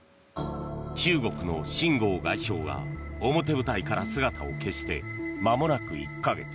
中国のシン・ゴウ外相が表舞台から姿を消してまもなく１か月。